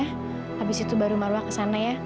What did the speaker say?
habis itu baru marwah ke sana ya